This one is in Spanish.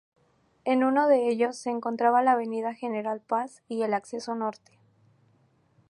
En uno de ellos se encontraba la Avenida General Paz y el Acceso Norte.